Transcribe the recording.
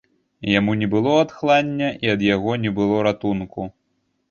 Яму не было адхлання, і ад яго не было ратунку.